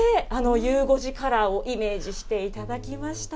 ゆう５時カラーをイメージしていただきました。